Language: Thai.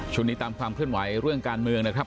ตามความเคลื่อนไหวเรื่องการเมืองนะครับ